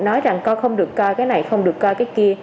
nói rằng con không được coi cái này không được coi cái kia